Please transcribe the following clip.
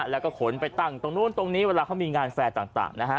แล้วก็ขนไปตั้งตรงนู้นตรงนี้เวลาเขามีงานแฟร์ต่างนะฮะ